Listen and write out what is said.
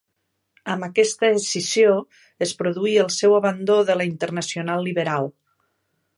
Amb aquesta escissió es produí el seu abandó de la Internacional Liberal.